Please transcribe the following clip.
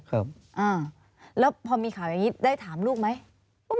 ครับอ่าแล้วพอมีข่าวอย่างนี้ได้ถามลูกไหม